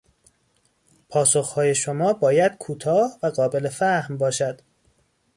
پاسخهای شما باید کوتاه و قابل فهم باشد.